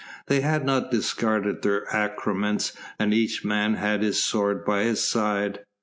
They had not discarded their accoutrements and each man had his sword by his side.